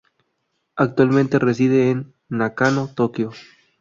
Actualmente, reside en Nakano, Tokio.